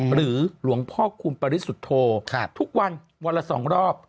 หรือหลวงพ่อคูณปริสุทธโธทุกวันวันละ๒รอบ